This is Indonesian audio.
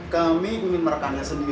kami ingin merekandai sendiri